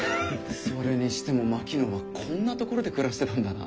それにしても槙野はこんな所で暮らしてたんだな。